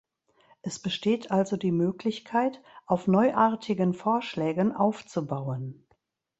Es besteht also die Möglichkeit, auf neuartigen Vorschlägen aufzubauen.